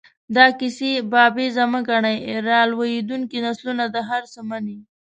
دا کیسې بابیزه مه ګڼئ، را لویېدونکي نسلونه دا هر څه مني.